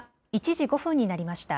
１時５分になりました。